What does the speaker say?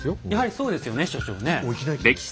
やはりそうですよね所長ねえ。